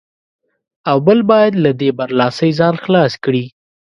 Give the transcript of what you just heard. او بل باید له دې برلاسۍ ځان خلاص کړي.